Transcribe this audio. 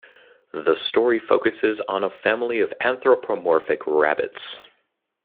The story focuses on a family of anthropomorphic rabbits.